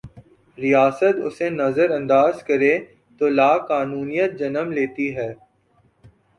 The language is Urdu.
ریاست اسے نظر انداز کرے تولاقانونیت جنم لیتی ہے۔